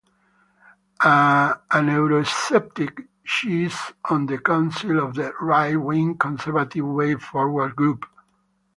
A eurosceptic, she is on the council of the right-wing Conservative Way Forward group.